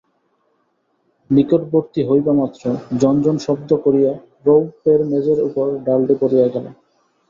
নিকটবর্তী হইবামাত্র ঝনঝন শব্দ করিয়া রৌপ্যের মেঝের উপর ঢালটি পড়িয়া গেল।